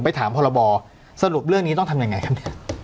ถามพรบสรุปเรื่องนี้ต้องทำยังไงครับเนี่ย